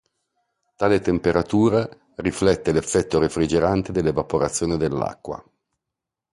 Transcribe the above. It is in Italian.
Tale temperatura riflette l’effetto refrigerante dell’evaporazione dell’acqua.